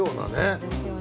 そうですよね。